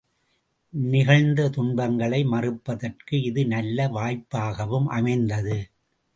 நிகழ்ந்த துன்பங்களை மறப்பதற்கு இது நல்ல வாய்ப்பாகவும் அமைந்தது.